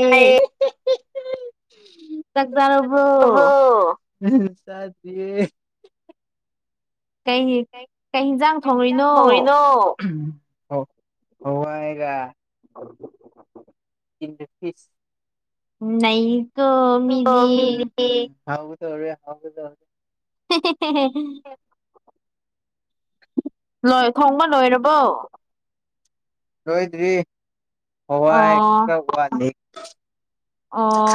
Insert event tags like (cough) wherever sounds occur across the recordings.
ꯇꯥꯌꯦ (inaudible) ꯕ꯭ꯔꯣ ꯉꯁꯤꯖꯨ (inaudible) (inaudible) ꯍ ꯍꯋꯥꯏꯒ (inaudible) ꯏꯟ ꯗ ꯐꯤꯁ ꯅꯩ ꯗꯣ ꯃꯤꯒꯤꯗꯤ (inaudible) (inaudible) ꯂꯣꯏ ꯊꯣꯡꯕ ꯂꯣꯏꯔꯕꯣ ꯂꯣꯏꯗ꯭ꯔꯤ ꯍꯋꯥꯏ ꯈꯔ ꯋꯥꯠꯂꯤ ꯑꯣ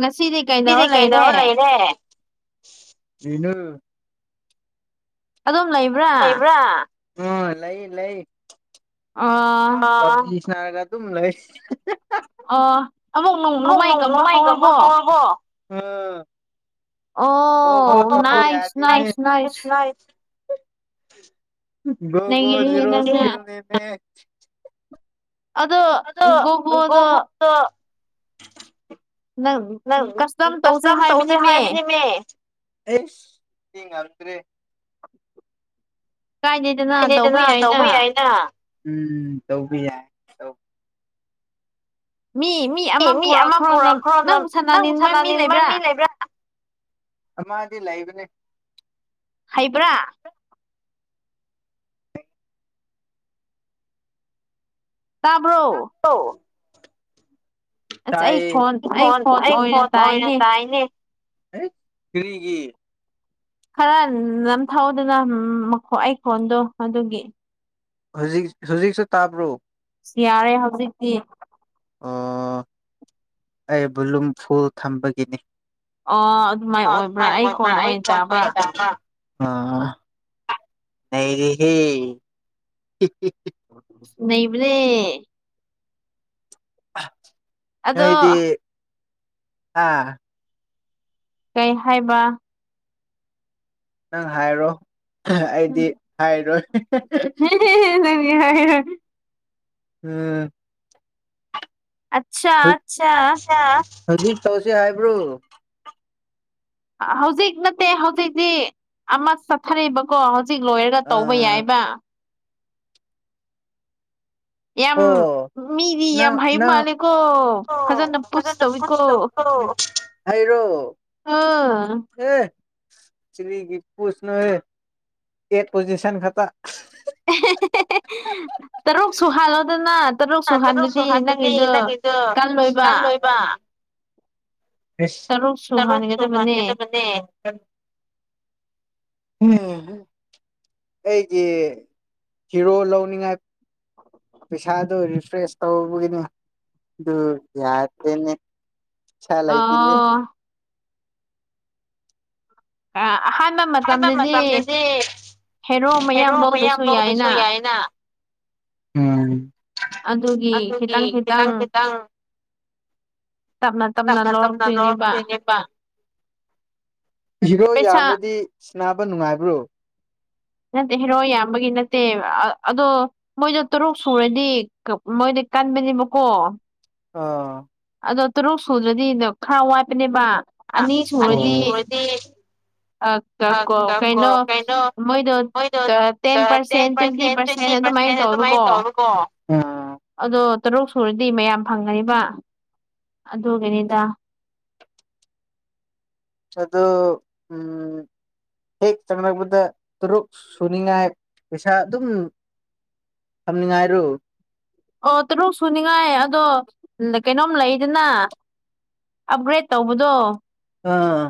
ꯉꯁꯤꯗꯤ ꯉꯁꯤꯗꯤ ꯀꯩꯗꯧꯔ ꯂꯩꯔꯦ ꯀꯩꯅꯣ ꯑꯗꯣ ꯂꯩꯕ꯭ꯔꯥ ꯍꯣ ꯂꯩꯌꯦ ꯂꯩꯌꯦ ꯑꯥ ꯋꯥꯊꯤ ꯁꯥꯟꯅꯔꯒ ꯑꯗꯨꯝ ꯂꯩ ꯑꯥ ꯑꯃꯛ ꯅꯣꯡꯃꯥꯏ ꯀꯝꯕ ꯍꯧꯔꯕꯣ ꯎꯝ ꯍꯣ ꯍꯣ ꯇꯧꯕ (unintelligible) ꯒ꯭ꯔꯣ ꯒ꯭ꯔꯣ (inaudible) ꯑꯗꯣ ꯒꯣꯒꯣꯗꯣ ꯅꯪ ꯀꯁꯇꯝ ꯇꯧꯁꯦ ꯍꯥꯏꯕꯅꯤꯃꯦ ꯑꯦꯁ (inaudible) ꯗ꯭ꯔꯦ ꯀꯥꯏꯗꯦꯗꯅ ꯇꯧꯕ ꯌꯥꯏꯅ ꯎꯝ ꯇꯧꯕ ꯌꯥꯏ ꯃꯤ ꯑꯦ ꯃꯤ ꯑꯃ ꯄꯨꯔꯛꯈ꯭ꯔꯣ ꯅꯪ ꯅꯪ ꯁꯅꯥꯅꯤꯡꯕ ꯃꯤ ꯂꯩꯕ꯭ꯔꯥ ꯑꯃꯗꯤ ꯂꯥꯏꯕꯅꯦ ꯍꯩꯕ꯭ꯔꯥ ꯇꯥꯕ꯭ꯔꯣ ꯑꯣ ꯇꯥꯏꯌꯦ ꯑꯩ ꯈꯣꯟ ꯑꯩꯈꯣꯟ ꯑꯣꯏꯅ ꯇꯥꯏꯌꯦꯅꯦ ꯀꯔꯤꯒꯤ ꯈꯔ ꯅꯝꯊꯧꯗꯅ ꯃꯥ ꯑꯩꯈꯣꯟꯗꯣ ꯑꯗꯨꯒꯤ ꯍꯧꯖꯤꯛ ꯍꯧꯖꯤꯛꯁꯨ ꯇꯥꯕ꯭ꯔꯣ ꯌꯥꯔꯦ ꯍꯧꯖꯤꯛꯇꯤ ꯑꯣ ꯑꯩ ꯕꯣꯂꯨꯝ ꯐꯨꯜ ꯊꯝꯕꯒꯤꯅꯤ ꯑ ꯑꯗꯨꯃꯥꯏ ꯑꯣꯏꯕ꯭ꯔꯥ ꯑꯩ (unintelligible) ꯑ ꯅꯩꯔꯦꯍꯦ ꯅꯩꯕꯅꯦ ꯑꯩꯗꯤ ꯑ ꯀꯩ ꯍꯥꯏꯕ ꯅꯪ ꯍꯥꯏꯔꯣ ꯑꯩꯗꯤ ꯍꯥꯏꯔꯣꯏ (unintelligible) ꯎꯝ ꯍꯧꯖꯤꯛ ꯇꯧꯁꯦ ꯍꯥꯏꯕ꯭ꯔꯣ ꯍꯧꯖꯤꯛ ꯅꯠꯇꯦ ꯍꯧꯖꯤꯛꯇꯤ ꯑꯃ ꯁꯛ ꯈ꯭ꯔꯦꯕꯀꯣ ꯍꯧꯖꯤꯛ ꯂꯣꯏꯔꯒ ꯇꯧꯕ ꯌꯥꯏꯕ ꯑꯣ ꯅꯪ ꯅꯪ ꯑꯩꯔꯣ ꯑꯥ ꯀꯥ꯭ꯒꯤ ꯄꯨꯁꯅꯣꯍꯦ ꯑꯦꯠ ꯄꯣꯖꯤꯁꯟ ꯈꯠꯇ ꯇꯔꯨꯛ ꯁꯨꯍꯥꯜꯂꯣꯗꯅ ꯇꯔꯨꯛ ꯁꯨꯍꯟꯗ꯭ꯔꯗꯤ ꯅꯪꯒꯤꯗꯣ ꯀꯜꯂꯣꯏꯕ ꯂꯣꯏꯕꯥ ꯏꯁ ꯇꯔꯨꯛ ꯁꯨꯍꯟꯒꯗꯕꯅꯦ ꯎꯝ ꯍꯩ ꯑꯩꯒꯤ ꯍꯤꯔꯣ ꯂꯧꯅꯤꯡꯉꯥꯏ ꯄꯩꯁꯥꯗꯣ ꯔꯤꯐ꯭ꯔꯦꯁ ꯇꯧꯕꯒꯤꯅꯤ ꯑꯗꯨ ꯌꯥꯗꯦꯅꯦ ꯄꯩꯁꯥ ꯂꯩꯇꯦꯅꯤ ꯑ ꯑꯍꯥꯟꯕ ꯃꯇꯝꯗꯗꯤ ꯍꯦꯔꯣ ꯃꯌꯥꯝ ꯂꯧꯗꯁꯨ ꯌꯥꯏꯅ ꯑꯗꯨꯒꯤ ꯈꯤꯇꯪ ꯈꯤꯇꯪ ꯇꯞꯅ ꯇꯞꯅ ꯂꯧꯔꯛꯇꯣꯏꯅꯦꯕ ꯍꯤꯔꯣ ꯌꯥꯝꯃꯥꯗꯤ ꯁꯤꯟꯅꯕ ꯅꯨꯡꯉꯥꯏꯕ꯭ꯔꯣ ꯅꯠꯇꯦ ꯍꯦꯔꯣ ꯌꯥꯝꯕꯒꯤ ꯅꯠꯇꯦ ꯑꯗꯣ ꯃꯣꯏꯗ ꯇ꯭ꯔꯨꯛ ꯁꯨꯔꯗꯤ ꯃꯣꯏꯗꯤ ꯀꯟꯕꯅꯦꯕꯀꯣ ꯑꯥ ꯑꯗꯣ ꯇ꯭ꯔꯨꯛ ꯁꯨꯗ꯭ꯔꯗꯤ ꯈꯔ ꯋꯥꯠꯄꯅꯦꯕ ꯑꯅꯤ ꯁꯨꯔꯗꯤ ꯑ ꯀꯣ ꯀꯩꯅꯣ ꯃꯣꯏꯗꯣ ten percent twenty percent twenty percent ꯑꯗꯨꯃꯥꯏꯅ ꯇꯧꯔꯨꯀꯣ ꯑꯗꯣ ꯇꯔꯨꯛ ꯁꯨꯔꯗꯤ ꯃꯌꯥꯝ ꯐꯪꯒꯅꯤꯕ ꯑꯗꯨꯒꯤꯅꯤꯗ ꯑꯗꯣ ꯎꯝ ꯍꯦꯛ ꯆꯪꯂꯛꯄꯗ ꯇ꯭ꯔꯨꯛ ꯁꯨꯅꯤꯡꯉꯥꯏ ꯄꯩꯁꯥ ꯑꯗꯨꯝ ꯊꯝꯅꯤꯡꯉꯥꯏꯔꯣ ꯑꯣ ꯇ꯭ꯔꯨꯛ ꯁꯨꯅꯤꯡꯉꯥꯏ ꯑꯗꯣ ꯀꯩꯅꯣꯝ ꯂꯩꯗꯅ ꯑꯞꯒ꯭ꯔꯦꯗ ꯇꯧꯕꯗꯣ ꯑꯥ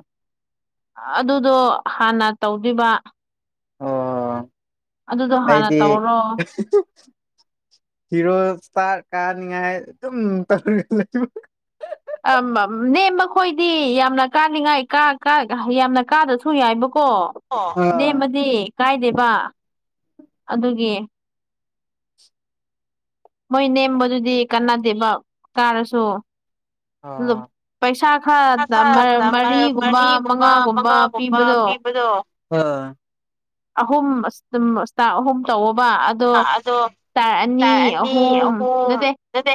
ꯑꯗꯨꯗꯣ ꯍꯥꯟꯅ ꯇꯧꯗꯨꯏꯕ ꯑꯣ ꯑꯩꯗꯤ ꯍꯤꯔꯣ ꯏꯁꯇꯥꯔ ꯀꯥꯅꯤꯡꯉꯥꯏ ꯑꯗꯨꯝ ꯇꯧꯔ ꯑꯥ ꯃꯝ ꯅꯦꯝꯕꯥ ꯈꯣꯏꯗꯤ ꯌꯥꯝꯅ ꯀꯥꯅꯤꯡꯉꯥꯏ ꯀ ꯀ ꯌꯥꯝꯅ ꯀꯥꯗꯁꯨ ꯌꯥꯏꯕꯀꯣ ꯅꯦꯝꯃꯗꯤ ꯀꯥꯏꯗꯦꯕ ꯑꯗꯨꯒꯤ ꯃꯣꯏ ꯅꯦꯝꯕꯗꯨꯗꯤ ꯀꯥꯟꯅꯗꯦꯕ ꯀꯥꯔꯁꯨ ꯑꯣ (unintelligible) ꯃꯔꯤꯒꯨꯝꯕ ꯃꯉꯥꯒꯨꯝꯕ ꯄꯤꯕꯗꯣ ꯑꯥ ꯑꯍꯨꯝ ꯑꯁ ꯇꯝ ꯑꯁꯇꯥ ꯑꯍꯨꯝ ꯇꯧꯑꯣꯕꯥ ꯑ ꯑꯗꯣ ꯇꯥꯏ ꯑꯅꯤ ꯑꯍꯨꯝ ꯅꯠꯇꯦ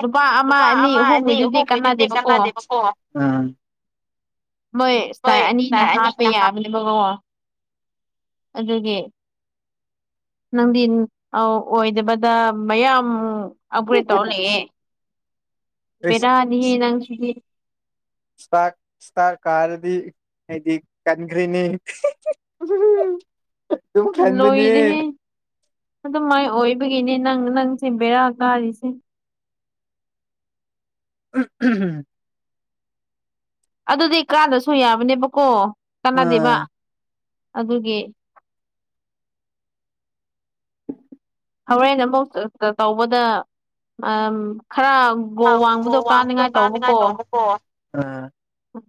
ꯅꯨꯄꯥ ꯑꯃ ꯑꯅꯤ ꯑꯍꯨꯝꯈꯩꯗꯨꯗꯤ ꯀꯅꯥꯗꯦꯕ ꯑꯣ ꯃꯣꯏ ꯏꯁꯇꯥꯔ ꯑꯅꯤꯅ ꯍꯥꯞꯄ ꯌꯥ (unintelligible) ꯑꯗꯨꯒꯤ ꯅꯪꯗꯤ ꯑꯧ ꯑꯣꯏꯗꯕꯗ ꯃꯌꯥꯝ ꯑꯞꯒ꯭ꯔꯦꯗ ꯇꯧꯔ ꯂꯩꯑꯦ ꯕꯦꯔꯥꯅꯤꯍꯦ ꯅꯪꯁꯤꯗꯤ ꯏꯁꯇꯥꯛ ꯏꯁꯇꯥ ꯀꯥꯔꯗꯤ ꯑꯩꯗꯤ ꯀꯟꯈ꯭ꯔꯦꯅꯦ ꯑꯗꯨ ꯈꯟꯃꯥꯅꯦ ꯑꯗꯨꯃꯥꯏ ꯑꯣꯏꯕꯒꯤꯅꯦ ꯅꯪ ꯅꯪꯁꯦ ꯕꯦꯔꯥ ꯀꯥꯔꯤꯁꯦ ꯎ (unintelligible) (inaudible) ꯑꯗꯨꯗꯤ ꯀꯥꯟꯗꯁꯨ ꯌꯥꯕꯅꯦꯕꯀꯣ ꯀꯥꯟꯅꯗꯦꯕ ꯑꯗꯨꯒꯤ ꯍꯣꯔꯦꯟ ꯑꯃꯨꯛ ꯆꯆꯥ ꯇꯧꯕꯗ ꯑꯝ ꯈꯔ ꯑꯪꯒꯣ ꯋꯥꯡꯕꯗꯣ ꯀꯥꯅꯉꯥꯏ ꯇꯧꯕꯀꯣ ꯑꯥ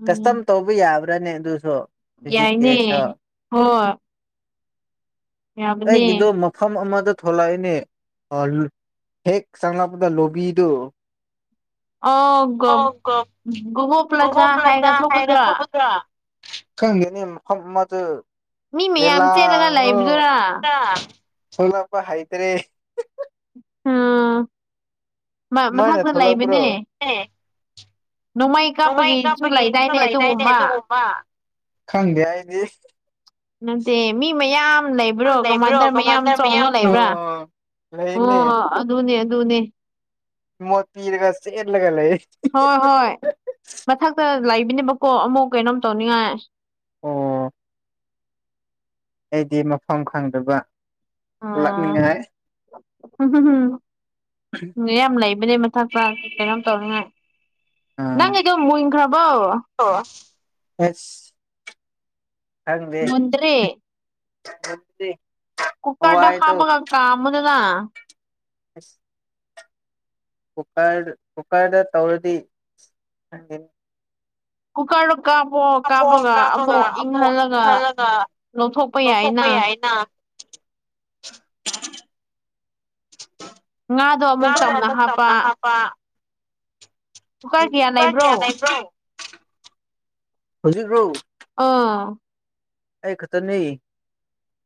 ꯀꯁꯇꯝ ꯇꯧꯕ ꯌꯥꯕ꯭ꯔꯥꯅꯦ ꯑꯗꯨꯁꯨ ꯌꯥꯏꯅꯦ ꯍꯣ ꯑꯩꯒꯤꯗꯣ ꯃꯐꯝ ꯑꯃꯗ ꯊꯣꯛꯂꯛꯏꯅꯦ (unintelligible) ꯍꯦꯛ ꯆꯪꯂꯛꯄꯗ ꯂꯣꯕꯤꯗꯨ (unintelligible) ꯈꯪꯗꯦꯅꯦ ꯃꯐꯝ ꯑꯃꯗ ꯂꯦꯂꯥ ꯑ ꯍꯥ ꯊꯣꯛꯂꯛꯄ ꯍꯩꯇ꯭ꯔꯦ ꯎꯝ ꯃꯥ ꯃꯊꯛꯇ ꯂꯩꯕꯅꯦ ꯅꯣꯡꯃꯩ ꯀꯥꯞꯄꯒꯤꯁꯨ ꯂꯩꯗꯥꯏꯅꯦ ꯑꯗꯨꯒꯨꯝꯃ ꯈꯪꯗꯦ ꯑꯩꯗꯤ ꯂꯩꯕ꯭ꯔꯣ (unintelligible) ꯂꯩꯅꯦ ꯑꯗꯨꯅꯦ ꯑꯗꯨꯅꯦ ꯃꯣꯠ ꯄꯤꯔꯒ ꯆꯦꯜꯂꯒ ꯂꯩ ꯍꯣꯏ ꯍꯣꯏ ꯃꯊꯛꯇ ꯂꯩꯕꯅꯦꯕꯀꯣ ꯑꯃꯨꯛ ꯀꯩꯅꯣꯝ ꯇꯧꯅꯤꯡꯉꯥꯏ ꯑꯣ ꯑꯩꯗꯤ ꯃꯐꯝ ꯈꯪꯗꯕ ꯑꯥ ꯃꯤ ꯌꯥꯝ ꯂꯩꯕꯅꯦ ꯃꯊꯛꯇ ꯀꯩꯅꯣꯝ ꯇꯧꯅꯤꯉꯥꯏ ꯅꯪꯒꯤꯗꯣ ꯃꯨꯟꯈ꯭ꯔꯕꯣ ꯑꯁ ꯑꯁ ꯈꯪꯗꯦ (unintelligible) ꯀꯣꯀꯥꯔꯗ ꯍꯥꯞꯄꯒ ꯀꯥꯝꯃꯣꯗꯅ ꯑꯁ ꯀꯨꯀꯥꯔ ꯀꯨꯀꯥꯔꯗ ꯇꯧꯔꯗꯤ ꯈꯪꯗꯦ ꯀꯨꯀꯥꯔꯗ ꯀꯥꯞꯄꯣ ꯀꯥꯞꯄꯒ ꯑꯃꯨꯛ ꯏꯪꯍꯜꯂꯒ ꯂꯧꯊꯣꯛꯄ ꯌꯥꯏꯅ (inaudible) (unintelligible) ꯀꯨꯀꯔ ꯀꯌꯥ ꯂꯩꯏꯕ꯭ꯔꯣ ꯍꯧꯖꯤꯛꯔꯣ ꯑꯥ ꯑꯩ ꯈꯥꯇꯅꯦ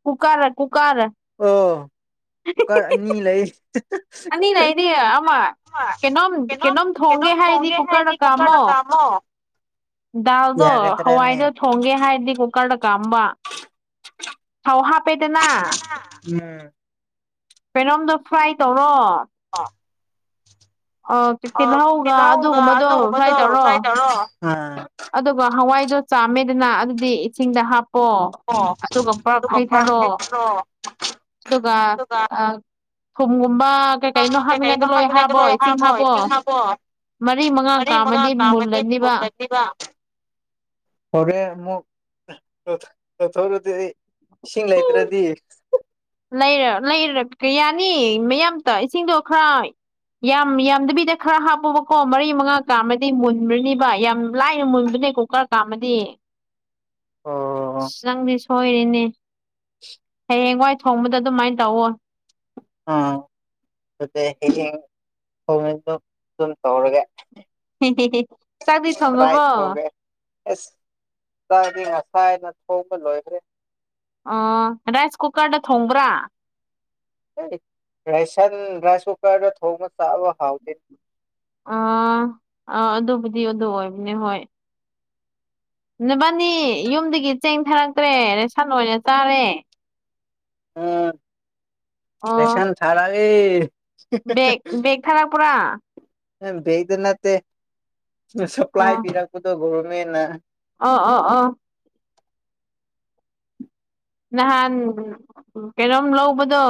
ꯀꯨꯀꯥꯔ ꯀꯨꯀꯥꯔ ꯑꯣ ꯀꯨꯀꯥꯔ ꯑꯅꯤ ꯂꯩ ꯀꯩꯅꯣꯝ ꯀꯩꯅꯣꯝ ꯊꯣꯡꯒꯦ ꯍꯥꯏꯗꯤ ꯀꯨꯀꯥꯔꯗ ꯀꯥꯝꯃꯣ ꯗꯥꯜꯗꯣ ꯍꯋꯥꯏꯗꯣ ꯊꯣꯡꯒꯦ ꯍꯥꯏꯔꯗꯤ ꯀꯨꯀꯥꯔꯗ ꯀꯥꯝꯕ ꯊꯥꯎ ꯍꯥꯄꯦꯗꯅ ꯎꯝ ꯀꯩꯅꯣꯝꯗ ꯐ꯭ꯔꯥꯏ ꯇꯧꯔꯣ ꯑꯣ ꯇꯤꯜꯍꯧꯒ ꯑꯗꯨꯒꯨꯝꯕꯗꯣ ꯐ꯭ꯔꯥꯏ ꯇꯧꯔꯣ ꯑꯥ ꯑꯗꯨꯒ ꯍꯋꯥꯏꯗꯣ ꯆꯥꯝꯃꯦꯗꯅ ꯑꯗꯨꯗꯤ ꯏꯁꯤꯡꯗ ꯍꯥꯞ ꯄꯣ ꯑꯗꯨꯒ ꯄꯨꯂꯞ ꯍꯩꯊꯔꯣ ꯑꯗꯨꯒ ꯑꯥ ꯊꯨꯝꯒꯨꯝꯕ (unintelligible) ꯃꯔꯤ ꯃꯉꯥ ꯀꯥꯝꯃꯗꯤ ꯃꯨꯜꯂꯅꯤꯕ ꯍꯣꯔꯦꯟ ꯑꯃꯨꯛ ꯇꯧ ꯇꯧꯊꯣꯛꯔꯗꯤ ꯑꯩ ꯏꯁꯤꯡ ꯂꯩꯇ꯭ꯔꯗꯤ ꯂꯩꯔ ꯂꯩꯔꯒ ꯌꯥꯅꯤ ꯃꯌꯥꯝ ꯏꯁꯤꯡꯗꯣ ꯈꯔ ꯌꯥꯝ ꯌꯥꯝꯗꯕꯤꯗ ꯈꯔ ꯍꯥꯞꯄꯣꯕꯀꯣ ꯃꯔꯤ ꯃꯉꯥ ꯀꯥꯝꯃꯗꯤ ꯃꯨꯟꯕ꯭ꯔꯅꯤꯕ ꯌꯥꯝ ꯂꯥꯏꯅ ꯃꯨꯟꯕꯅꯦꯀꯣ ꯀꯨꯀꯥꯔ ꯀꯥꯝꯃꯗꯤ (inaudible) ꯑꯁ ꯆꯪꯗꯤ ꯁꯣꯏꯔꯦꯅꯦ (inaudible) ꯍꯦꯡꯋꯥꯏ ꯊꯣꯡꯕꯗ ꯑꯗꯨꯃꯥꯏꯅ ꯇꯧꯋꯣ (unintelligible) ꯍꯦ ꯍꯦ ꯍꯦ ꯆꯥꯛꯇꯤ ꯊꯣꯡꯉꯕꯣ ꯑꯦꯁ ꯆꯥꯛꯗꯤ ꯉꯁꯥꯏꯅ ꯊꯣꯡꯕ ꯂꯣꯏꯈ꯭ꯔꯦ ꯑꯣ ꯔꯥꯏꯁ ꯀꯨꯀꯔꯗ ꯊꯣꯡꯕ꯭ꯔꯥ ꯔꯥꯏꯁꯟ ꯔꯥꯏꯁ ꯀꯨꯀꯔꯗ ꯊꯣꯡꯉ ꯆꯥꯕ ꯍꯥꯎꯇꯦ ꯑꯥ ꯑꯥ ꯑꯗꯨꯕꯨꯗꯤ ꯑꯗꯨ ꯑꯣꯏꯕꯅꯦ ꯍꯣꯏ ꯅꯕꯥꯅꯤ ꯌꯨꯝꯗꯒꯤ ꯆꯦꯡ ꯊꯥꯔꯛꯇ꯭ꯔꯦ ꯔꯦꯁꯟ ꯑꯣꯏꯅ ꯆꯥꯔꯦ ꯎꯝ ꯔꯦꯁꯟ ꯊꯥꯔꯛꯑꯦ ꯍꯥ ꯍꯥ ꯍꯥ ꯅ ꯕꯦꯛꯇꯣ ꯅꯠꯇꯦ ꯁꯄ꯭ꯂꯥꯏ ꯄꯤꯔꯛꯄꯗꯣ ꯒꯣꯕꯔꯃꯦꯟꯅ ꯑꯣ ꯑꯣ ꯑꯣ ꯅꯍꯥꯟ ꯀꯩꯅꯣꯝ ꯂꯧꯕꯗꯣ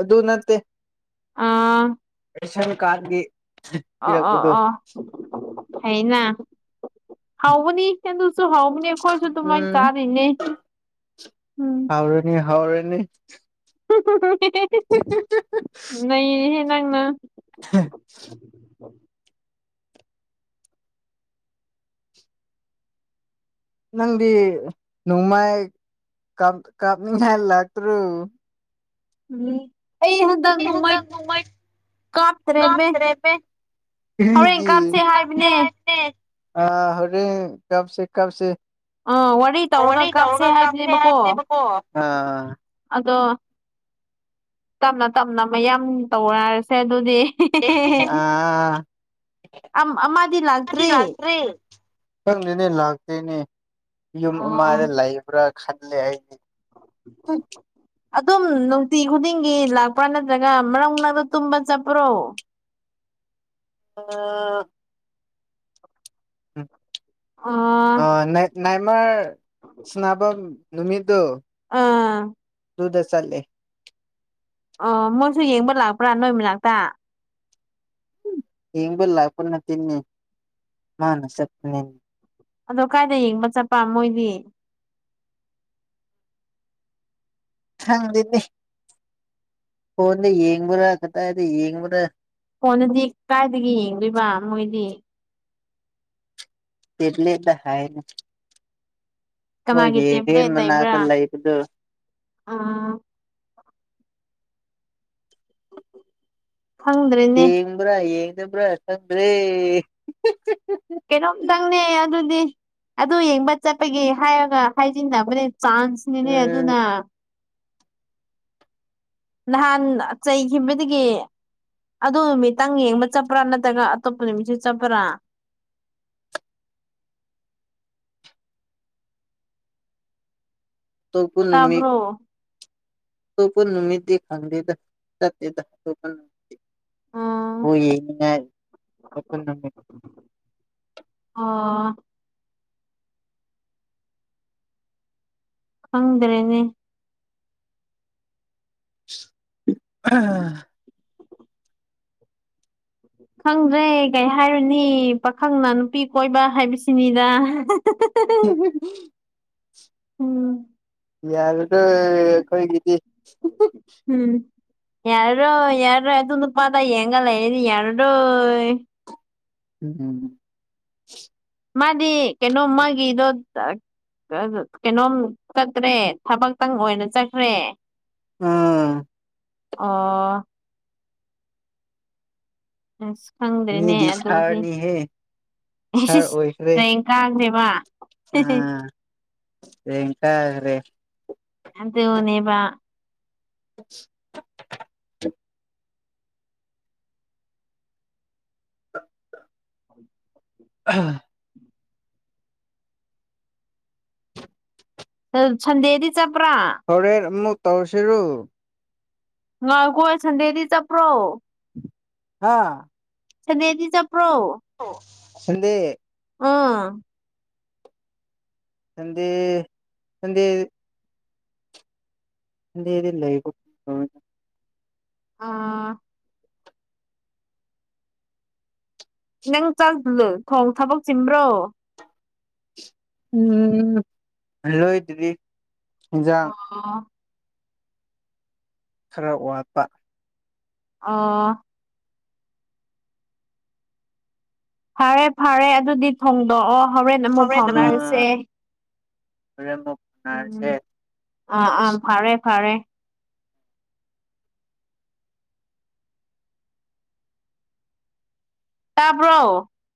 ꯑꯗꯨ ꯅꯠꯇꯦ ꯑꯥ ꯔꯦꯁꯟ ꯀꯥꯔꯗꯒꯤ ꯑꯣ ꯑꯣ ꯑꯣ ꯐꯩꯅꯥ ꯍꯥꯎꯕꯅꯤ ꯔꯦꯁꯟ ꯗꯨꯁꯨ ꯍꯥꯎꯕꯅꯦ ꯑꯩꯈꯣꯏꯁꯨ ꯑꯗꯨꯃꯥꯏꯟ ꯆꯥꯔꯤꯅꯦ ꯎꯝ ꯑꯦ ꯍꯥꯎꯔꯦꯅꯦ (unintelligible) ꯅꯩꯔꯦꯍꯦ ꯅꯪꯅ (unintelligible) ꯅꯪꯗꯤ ꯅꯣꯡꯃꯩ ꯀꯥꯞ ꯀꯥꯞꯅꯤꯡꯉꯥꯏ ꯂꯥꯛꯇ꯭ꯔꯣ ꯎꯝ ꯑꯩ ꯍꯟꯗꯛ ꯅꯣꯡꯃꯩ ꯀꯥꯞꯇ꯭ꯔꯦꯃꯦ ꯍꯣꯔꯦꯟ ꯀꯥꯞꯁꯦ ꯍꯥꯏꯕꯅꯦ ꯑꯥ ꯍꯧꯔꯦꯟ ꯀꯞꯁꯦ ꯀꯞꯁꯦ ꯋꯥꯔꯤ ꯇꯧꯔꯒ ꯀꯥꯞꯁꯦ ꯍꯥꯏꯕꯅꯕꯀꯣ ꯑꯥ ꯑꯗꯣ ꯇꯞꯅ ꯇꯞꯅ ꯃꯌꯥꯝ ꯇꯧꯒꯥꯏꯔꯁꯦ ꯑꯗꯨꯗꯤ (unintelligible) ꯈꯪꯗꯦꯅꯦ ꯂꯥꯛꯇꯦꯅꯦ ꯌꯨꯝ ꯑꯃꯗ ꯂꯩꯕ꯭ꯔꯥ ꯈꯜꯂꯦ ꯑꯩꯗꯤ (unintelligible) ꯑꯗꯨꯝ ꯅꯨꯡꯇꯤ ꯈꯨꯗꯤꯡꯒꯤ ꯂꯥꯛꯄ꯭ꯔꯥ ꯅꯠꯇ꯭ꯔꯒ ꯃꯔꯛ ꯃꯔꯛꯇ ꯇꯨꯝꯕ ꯆꯠꯄ꯭ꯔꯣ ꯑꯥ ꯎꯝ ꯑꯥ ꯅꯥꯏ ꯅꯥꯏꯃꯔ ꯁꯅꯥꯕꯝ ꯅꯨꯃꯤꯠꯇꯨ ꯑꯥ ꯑꯗꯨꯗ ꯆꯠꯂꯦ ꯑꯣ ꯃꯣꯏꯁꯨ ꯌꯦꯡꯕ ꯂꯥꯛꯄ꯭ꯔꯥ ꯅꯣꯏ ꯃꯅꯥꯛꯇ ꯌꯦꯡꯕ ꯂꯥꯛꯄ ꯅꯠꯇꯦꯅꯦ ꯃꯥꯅ ꯆꯠꯄꯅꯦ ꯑꯗꯣ ꯀꯥꯏꯗ ꯌꯦꯡꯕ ꯆꯠꯄꯥ ꯃꯣꯏꯗꯤ ꯈꯪꯗꯦꯅꯦ ꯐꯣꯟꯗ ꯌꯦꯡꯕ꯭ꯔ ꯀꯗꯥꯏꯗ ꯌꯦꯡꯕ꯭ꯔꯥ ꯐꯣꯟꯗꯗꯤ ꯀꯥꯏꯗꯒꯤ ꯌꯦꯡꯗꯨꯏꯕ ꯃꯣꯏꯗꯤ ꯇꯦꯕ꯭ꯂꯦꯠ ꯍꯥꯏꯌꯦꯅꯦ ꯃꯣꯏꯒꯤ ꯔꯦꯟ ꯃꯅꯥꯛꯇ ꯂꯩꯕꯗꯨ ꯑꯣ ꯌꯦꯡꯕ꯭ꯔꯥ ꯌꯦꯡꯗꯕ꯭ꯔꯥ ꯈꯪꯗ꯭ꯔꯦ (unintelligible) ꯀꯩꯅꯣꯝꯇꯪꯅꯦ ꯑꯗꯨꯗꯤ ꯑꯗꯨ ꯌꯦꯡꯕ ꯆꯠꯄꯒꯤ ꯍꯥꯏꯔꯒ ꯍꯥꯏꯖꯤꯟꯅꯕꯅꯦ ꯆꯥꯟꯁ ꯑꯗꯨꯅꯦ ꯑꯗꯨꯅ ꯅꯍꯥꯟ ꯆꯩꯈꯤꯕꯗꯒꯤ ꯑꯗꯨ ꯅꯨꯃꯤꯠꯇꯪ ꯌꯦꯡꯕ ꯆꯠꯄ꯭ꯔꯥ ꯅꯠꯇ꯭ꯔꯒ ꯑꯇꯣꯞꯄ ꯅꯨꯃꯤꯠꯁꯨ ꯆꯠꯄ꯭ꯔꯥ ꯑꯈꯣꯏ ꯄꯨꯟꯅ ꯅꯨꯃꯤꯠ ꯑꯈꯣꯏ ꯄꯨꯟꯅ ꯅꯨꯃꯤꯠꯇꯤ ꯐꯪꯗꯦꯗꯦ ꯆꯠꯇꯦꯗ (unintelligible) (unintelligible) ꯆꯠꯄ ꯅꯨꯃꯤꯠ ꯑꯥ ꯈꯪꯗ꯭ꯔꯦꯅꯦ (unintelligible) ꯈꯪꯗ꯭ꯔꯦ ꯀꯩ ꯍꯥꯏꯔꯨꯅꯤ ꯄꯥꯈꯪꯅ ꯅꯨꯄꯤ ꯀꯣꯏꯕ ꯍꯥꯏꯕꯁꯤꯅꯤꯗ (unintelligible) ꯌꯥꯔꯣꯏꯗꯥ ꯑꯈꯣꯏꯒꯤꯗꯤ (unintelligible) ꯎꯝ ꯌꯔꯔꯣꯏ ꯌꯔꯔꯣꯏ ꯑꯗꯨ ꯅꯨꯄꯥꯗꯣ ꯌꯦꯡꯒ ꯂꯩꯔꯗꯤ ꯌꯥꯔꯔꯣꯏ ꯎꯝ ꯎꯝ ꯃꯥꯗꯤ ꯀꯩꯅꯣ ꯃꯥꯒꯤꯗꯣ ꯇ ꯇꯔ ꯀꯩꯅꯣꯝ ꯇꯠꯇꯔꯦ ꯊꯕꯛꯇꯪ ꯑꯣꯏꯅ ꯆꯠꯈ꯭ꯔꯦ ꯑ ꯑꯣ ꯏꯟꯁ ꯈꯪꯗ꯭ꯔꯦꯅꯦ ꯑꯗꯨꯗꯤ ꯏꯁꯤꯁ ꯍꯌꯦꯡ ꯀꯥꯒ꯭ꯔꯦꯕ ꯑꯥ ꯔꯦꯡ ꯀꯥꯒ꯭ꯔꯦ ꯑꯗꯨꯅꯦꯕ (inaudible) (unintelligible) ꯅꯠ ꯁꯟꯗꯦꯗꯤ ꯆꯠꯄ꯭ꯔꯥ ꯍꯧꯔꯦꯟ ꯑꯃꯨꯛ ꯇꯧꯔꯁꯤꯔꯨ ꯉꯥꯎꯈꯣ ꯑꯩ ꯁꯟꯗꯦꯗꯤ ꯆꯞꯄ꯭ꯔꯣ ꯍꯥꯥ ꯁꯟꯗꯦꯗꯤ ꯆꯞꯄ꯭ꯔꯣ ꯁꯟꯗꯦ ꯑ ꯁꯟꯗꯦ ꯁꯟꯗꯦ ꯁꯟꯗꯦꯗꯤ ꯂꯩꯒꯨꯝ ꯇꯧꯋꯦ ꯑꯥ ꯅꯪ ꯆꯥꯛ ꯂꯦ ꯊꯣꯡ ꯊꯕꯛ ꯆꯤꯟꯕ꯭ꯔꯣ ꯎꯝ ꯑ ꯂꯣꯏꯗ꯭ꯔꯤ ꯏꯟꯖꯥꯡ ꯑꯣ ꯈꯔ ꯋꯥꯠꯄ ꯑꯣ ꯐꯔꯦ ꯐꯔꯦ ꯑꯗꯨꯗꯤ ꯊꯣꯡꯗꯣꯛꯑꯣ ꯍꯥꯎꯋꯦ ꯑꯗꯨꯝ ꯃꯔꯝ ꯃꯣꯛ ꯎꯝ ꯑꯥ ꯑꯥ ꯐꯥꯔꯦ ꯐꯥꯔꯦ ꯇꯥꯕ꯭ꯔꯣ